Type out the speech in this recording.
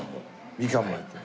みかんも入ってる。